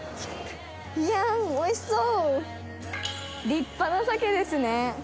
立派な鮭ですね。